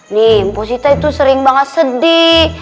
nih mpo si tai itu sering banget sedih